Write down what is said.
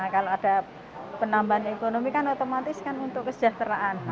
kalau ada penambahan ekonomi kan otomatis kan untuk kesejahteraan